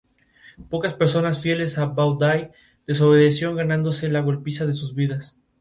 Se escogió el pueblo homónimo por ser sede de un importante centro termal.